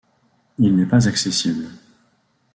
Il n'est pas accessible.